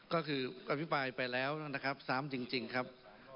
ก็คืออภิภัยไปแล้ว๓จริงครับ